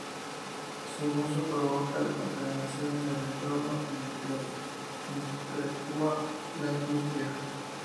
Su uso provoca la contaminación del entorno en el que interactúa la industria.